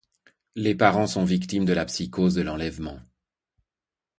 Les parents sont victimes de la psychose de l'enlèvement.